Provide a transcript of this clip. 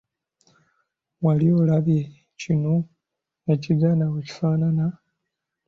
Wali olabye ekinu ekiganda bwe kifaanana?